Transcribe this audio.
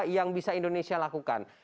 yang bisa indonesia lakukan